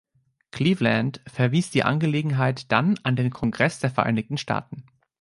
Cleveland verwies die Angelegenheit dann an den Kongress der Vereinigten Staaten.